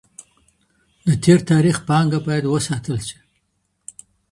د تېر تاريخ پانګه بايد وساتل سي.